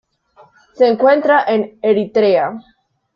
Se encuentra en Eritrea.